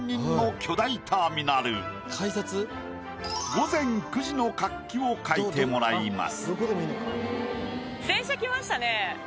午前９時の活気を描いてもらいます。